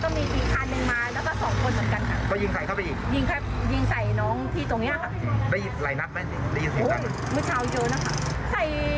แต่งแบบใส่มวกนอกใส่เย็นกีนอะไรอย่างนี้เหรอ